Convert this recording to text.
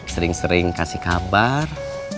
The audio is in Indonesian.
sering sering kasih kabar